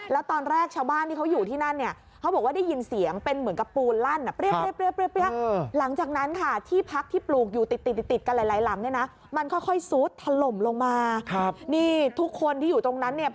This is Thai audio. แล้วตอนแรกเช้าบ้านที่เค้าอยู่ที่นั้น